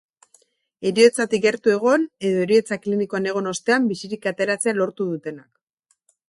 Heriotzatik gertu egon, edo heriotza klinikoan egon ostean bizirik ateratzea lortu dutenak.